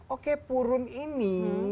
oke purun ini